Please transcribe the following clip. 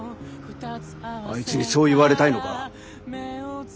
あいつにそう言われたいのか？